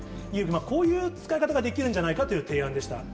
こういう使い方ができるんじゃないかという提案でした。